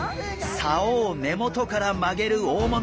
竿を根元から曲げる大物。